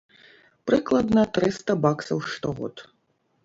Прыкладна трыста баксаў штогод.